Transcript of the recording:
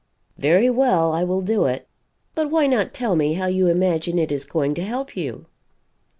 "Very well, I will do it but why not tell me how you imagine it is going to help you?"